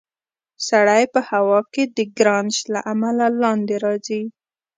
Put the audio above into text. سړی په هوا کې د ګرانش له امله لاندې راځي.